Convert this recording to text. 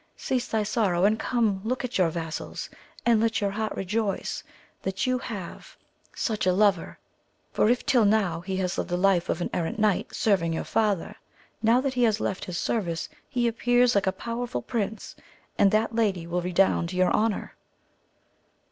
Cease thy sorrow and come look at your vassals ! and let your heart rejoice that you have such AMADIS OF GAUL. 117 a lover ; for if till now he has led the life of an errant knight serving your father, now that he has left his service, he appears like a powerful prince, and that lady will redound to your honour.